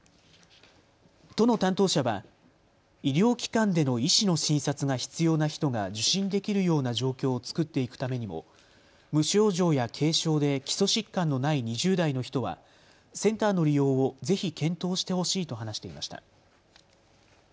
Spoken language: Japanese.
都の担当者は、医療機関での医師の診察が必要な人が受診できるような状況を作っていくためにも無症状や軽症で基礎疾患のない２０代の人はセンターの利用をぜひ検討してほしいと話していました。